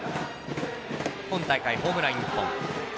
今大会ホームラン１本。